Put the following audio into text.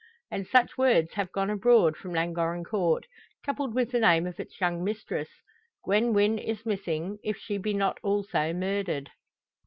And such words have gone abroad from Llangorren Court, coupled with the name of its young mistress. Gwen Wynn is missing, if she be not also murdered.